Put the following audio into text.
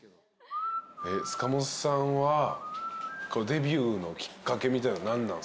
塚本さんはデビューのきっかけみたいなのは何なんすか？